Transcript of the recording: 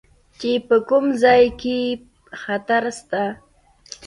چې په کوم ځاى کښې خطره سته.